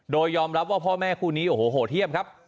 โดยยอมรับว่าพ่อแม่คู่นี้โหเทียมครับ